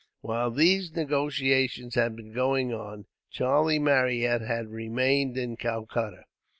While these negotiations had been going on, Charlie Marryat had remained in Calcutta.